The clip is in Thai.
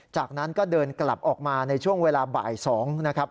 จากนั้นก็เดินกลับออกมาในช่วงเวลาบ่าย๒นะครับ